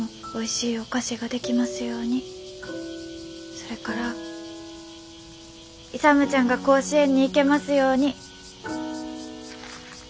それから勇ちゃんが甲子園に行けますように。